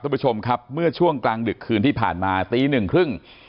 คุณผู้ชมครับเมื่อช่วงกลางดึกคืนที่ผ่านมาตีหนึ่งครึ่ง